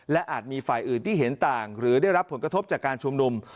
และอาจมีฝ่ายอื่นที่เห็นต่างหรือได้รับผลกระทบจากการชุมนุม